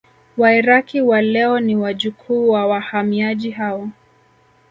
Wairaki wa leo ni wajukuu wa wahamiaji hao